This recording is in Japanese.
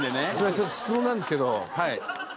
ちょっと質問なんですけど。